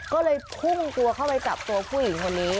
ก็เลยพุ่งตัวเข้าไปจับตัวผู้หญิงคนนี้